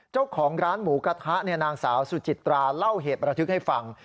เจ้าของร้านหมูกระทะนางสาวสุจิตราเล่าเหตุประทึกให้ฟัง